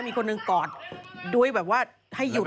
มีคนหนึ่งกอดด้วยแบบว่าให้หยุด